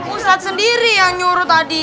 pusat sendiri yang nyuruh tadi